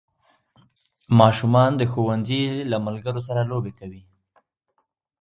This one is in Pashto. ماشومان د ښوونځي له ملګرو سره لوبې کوي